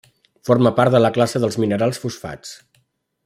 Forma part de la classe dels minerals fosfats.